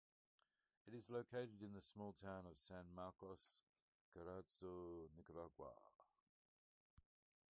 It is located in the small town of San Marcos, Carazo, Nicaragua.